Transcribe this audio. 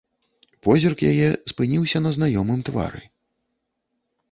Позірк яе спыніўся на знаёмым твары.